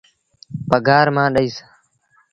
پگھآر مآݩ ڏئيٚس۔